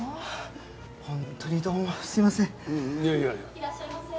いらっしゃいませ。